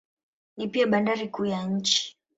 Ni pia bandari kuu ya nchi.